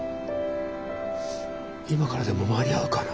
今からでも間に合うかな。